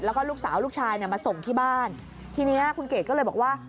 แล้วก็ลูกสาวลูกชายเนี่ยมาส่งที่บ้านทีนี้คุณเกดก็เลยบอกว่า